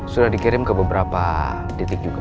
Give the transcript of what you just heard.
sudah dikirim ke beberapa titik juga